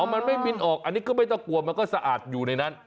มันไม่บินออกอันนี้ก็ไม่ต้องกลัวมันก็สะอาดอยู่ในนั้น